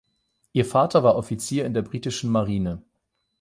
Ihr Vater war Offizier in der britischen Marine.